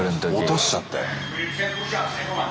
落としちゃったよ。